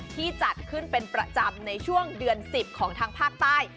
จัดขึ้นเป็นประจำในช่วงเดือน๑๐ของทางภาคใต้